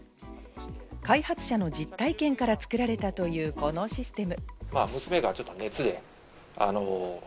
開発者の実体験から作られたという、このシステム。